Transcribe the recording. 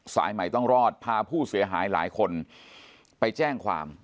สายใหม่ต้องรอดพาผู้เสียหายหลายคนไปแจ้งความ